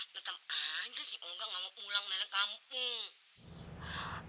bentar aja si olga gak mau pulang dari kampung